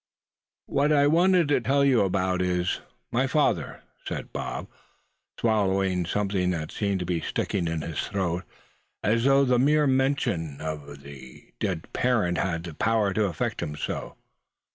"WHAT I want to tell you about is my father," said Bob, swallowing something that seemed to be sticking in his throat; as though the mere mention of his dead parent had the power to affect him so.